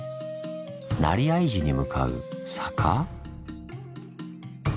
「成相寺」に向かう「坂」？